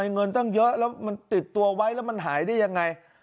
เงินตั้งเยอะแล้วมันติดตัวไว้แล้วมันหายได้ยังไง